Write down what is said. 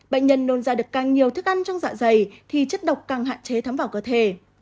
bệnh nhân nôn ra được càng nhiều thức ăn trong dạ dày thì chất độc càng hạn chế thắm vào cơ thể